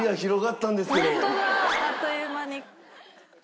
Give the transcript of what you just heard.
あっという間に。